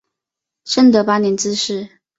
正德八年致仕。